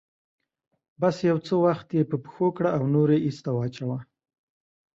بس يو څه وخت يې په پښو کړه او نور يې ايسته واچوه.